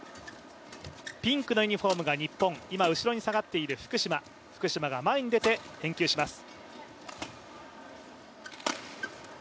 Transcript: ピンクのユニフォームが日本、今後ろに下がっている福島、福島が前に出て返球します。